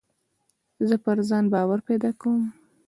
زه پر ځان باور پیدا کوم.